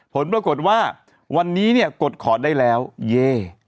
ผลปรากฏว่าวันนี้กดคอร์ดได้แล้วเย้